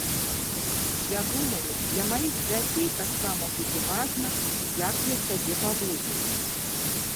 Я думаю, для маіх дзяцей таксама будзе важна, як я сябе паводзіў.